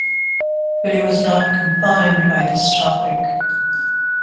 But he was not confined by this topic.